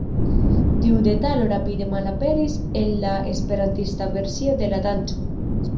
Tiu detalo rapide malaperis el la esperantista versio de la danco.